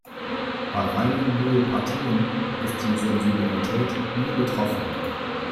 Bei reinen Myopathien ist die Sensibilität nie betroffen.